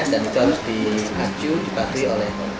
dan itu harus dikacu dibatui oleh